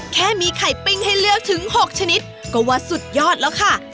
แค่มีไข่ปิ้งให้เลือกถึง๖ชนิดก็ว่าสุดยอดแล้วค่ะ